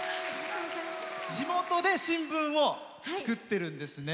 地元で新聞を作ってるんですね。